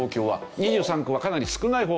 ２３区はかなり少ない方。